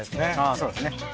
そうですね。